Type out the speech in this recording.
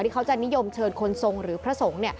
เขาจะนิยมเชิญคนทรงหรือพระสงฆ์